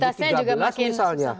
likuiditasnya juga makin